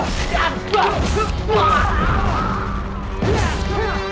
tidak tidak aku akan menolongmu